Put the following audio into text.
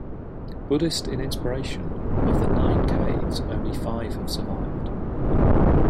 Buddhist in inspiration, of the nine caves, only five have survived.